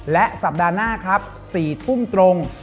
และสัปดาห์หน้าครับ๔ทุ่มตรง